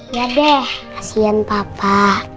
iya deh kasihan papa